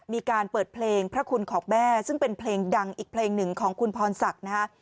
มีการเปิดเพลงพระคุณของแม่ซึ่งเป็นเพลงดังอีกเพลงหนึ่งของคุณพรศักดิ์นะฮะ